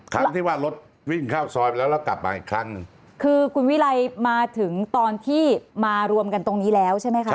ครั้งที่ว่ารถวิ่งเข้าซอยไปแล้วแล้วกลับมาอีกครั้งคือคุณวิรัยมาถึงตอนที่มารวมกันตรงนี้แล้วใช่ไหมคะ